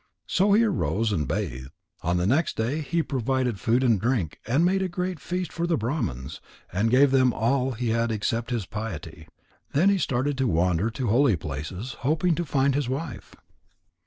So he arose and bathed. On the next day he provided food and drink, and made a great feast for the Brahmans, and gave them all he had except his piety. Then he started to wander to holy places, hoping to find his wife.